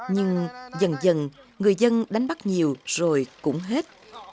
nhưng dần dần người dân đánh bắt nhiều rồi cũng hết